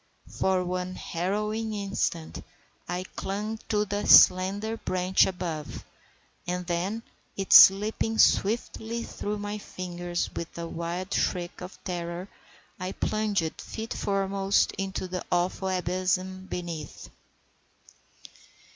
For one harrowing instant I clung to the slender branch above, and then, it slipping swiftly through my fingers, with a wild shriek of terror I plunged feet foremost into the awful abyss beneath.